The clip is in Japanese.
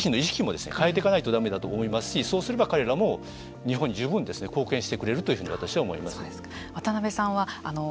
我々自身の意識も変えていかないとだめだと思いますしそうすれば彼らも日本に十分貢献してくれるというふうに私は思います。